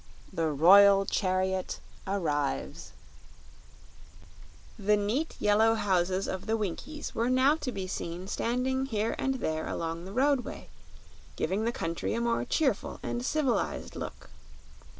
17. The Royal Chariot Arrives The neat yellow houses of the Winkies were now to be seen standing here and there along the roadway, giving the country a more cheerful and civilized look.